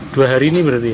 dua hari ini berarti